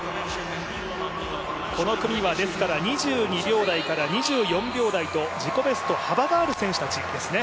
この組は、ですから２２秒台から２４秒台と自己ベスト幅がある選手たちですね。